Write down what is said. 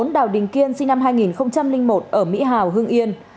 bốn đào đình kiên sinh năm hai nghìn một ở mỹ hảo hương yên